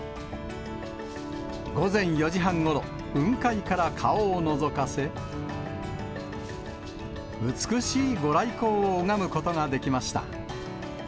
午前４時半ごろ、雲海から顔をのぞかせ、美しい御来光を拝むことができました。